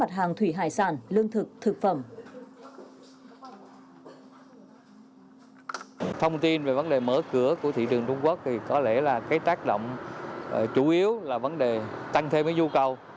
các thông tin về vấn đề mở cửa của thị trường trung quốc thì có lẽ là cái tác động chủ yếu là vấn đề tăng thêm cái du cầu